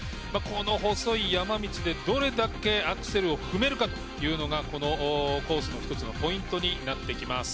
この細い山道でどれだけアクセルが踏めるかというのがこのコースの１つのポイントになってきます。